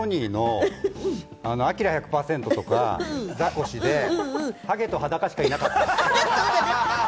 参列者がやっぱ同じソニーのアキラ１００％とかザコシでハゲと裸しかいなかった。